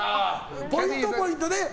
ポイント、ポイントで。